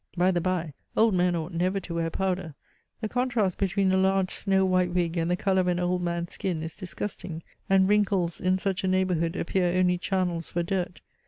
By the bye, old men ought never to wear powder the contrast between a large snow white wig and the colour of an old man's skin is disgusting, and wrinkles in such a neighbourhood appear only channels for dirt.